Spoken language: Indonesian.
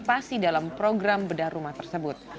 masih dalam program bedah rumah tersebut